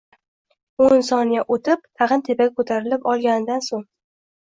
O‘n soniya o‘tib tag‘in tepaga ko‘tarilib olganidan so‘ng